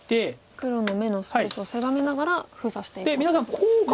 黒の眼のスペースを狭めながら封鎖していこうと。